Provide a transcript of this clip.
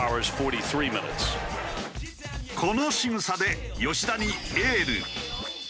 このしぐさで吉田にエール。